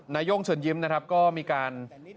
นาย่งเชิญยิ้มก็มีการ